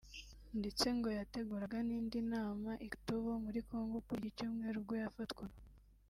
ndetse ngo yateguraga n’indi nama i Katobo muri Congo kuri iki cyumweru ubwo yafatwaga